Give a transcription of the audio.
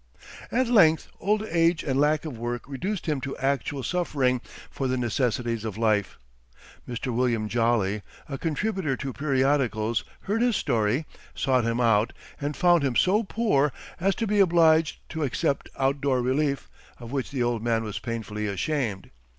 At length, old age and lack of work reduced him to actual suffering for the necessaries of life. Mr. William Jolly, a contributor to periodicals, heard his story, sought him out, and found him so poor as to be obliged to accept out door relief, of which the old man was painfully ashamed.